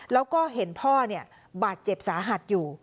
แล้วก็เห็นพ่อบาดเจ็บสาหัสอยู่